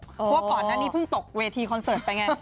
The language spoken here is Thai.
เพราะว่าก่อนหน้านี้เพิ่งตกเวทีคอนเสิร์ตไปไง